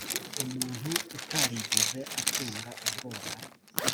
umuntu utarigeze atunga ubwoba